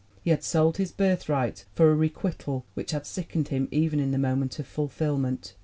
He had sold his birthright for a requital, which had sickened him even in the moment of ful fillment.